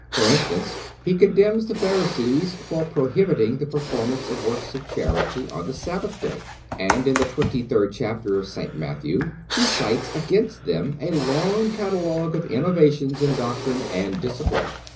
For instance, He condemns the Pharisees for prohibiting the performance of works of charity on the Sabbath day, and in the twenty third chapter of St. Matthew He cites against them a long catalogue of innovations in doctrine and discipline.